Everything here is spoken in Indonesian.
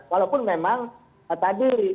walaupun memang tadi